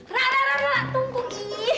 ra ra ra ra tunggu gi